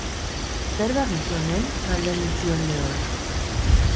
Zer dagizu hemen?, galdegin zion lehor.